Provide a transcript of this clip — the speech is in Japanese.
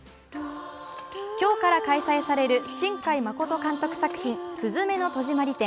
今日から開催される新海誠監督作品「すずめの戸締まり」展。